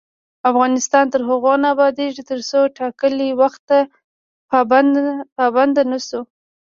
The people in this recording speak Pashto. افغانستان تر هغو نه ابادیږي، ترڅو ټاکلي وخت ته پابند نشو.